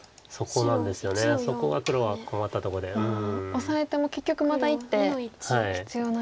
オサえても結局また１手必要なんですね。